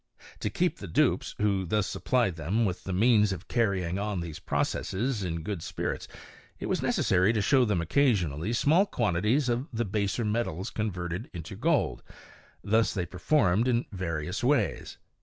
To keep the dupes, who thus supplied them with the means of carrying on these processes, in good spirits, it was necessary to show them occasionally small quantities of the baser metals converted into gold ; this they performed in various ways.